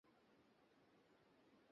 ঘরে চলে আয়।